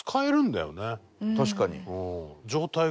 確かに。